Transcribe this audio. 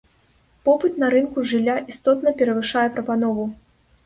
Попыт на рынку жылля істотна перавышае прапанову.